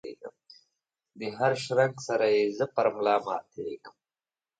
دهر شرنګ سره یې زه پر ملا ماتیږم